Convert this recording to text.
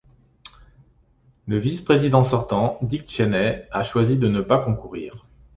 Le vice-président sortant, Dick Cheney a choisi de ne pas concourir.